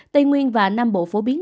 tây nguyên và nam bộ phổ biến